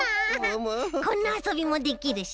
こんなあそびもできるし。